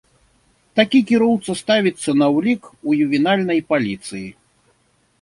Такі кіроўца ставіцца на ўлік у ювенальнай паліцыі.